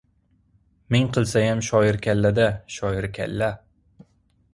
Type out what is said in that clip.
"Ming qilsayam, shoir kalla-da, shoir kalla.